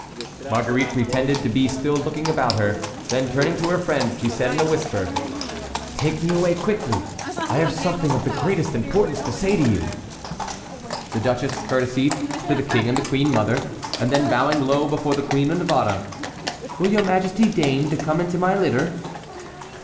Marguerite pretended to be still looking about her; then, turning to her friend, she said in a whisper: "Take me away quickly; I have something of the greatest importance to say to you." The duchess courtesied to the King and queen mother, and then, bowing low before the Queen of Navarre: "Will your majesty deign to come into my litter?"